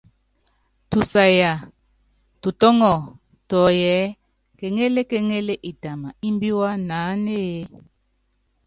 Tusaya tutɔ́ŋɔ tuɔyɔ ɛ́ɛ: kéŋél kéŋél, itam ímbíwá naánéé?